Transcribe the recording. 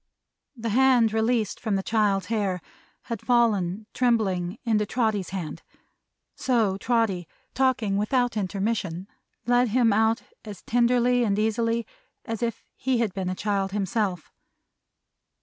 The hand released from the child's hair, had fallen, trembling, into Trotty's hand. So Trotty, talking without intermission, led him out as tenderly and easily as if he had been a child himself.